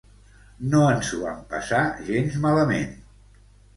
No ens ho vam passar gens malament.